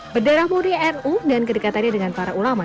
berdarah muri nu dan kedekatannya dengan para ulama